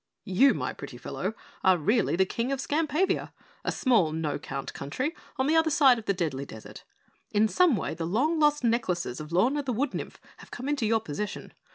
You, my pretty fellow, are really the King of Skampavia, a small, no count country on the other side of the Deadly Desert. In some way the long lost necklaces of Lorna the Wood Nymph have come into your possession.